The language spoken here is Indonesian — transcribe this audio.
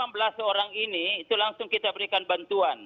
enam belas orang ini itu langsung kita berikan bantuan